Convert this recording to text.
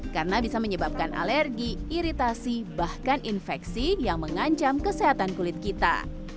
karena bisa menyebabkan alergi iritasi bahkan infeksi yang mengancam kesehatan kulit kita